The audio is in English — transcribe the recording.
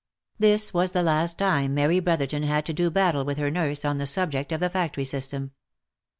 This was the last time Mary Brotherton had to do battle with her nurse on the subject of the factory system.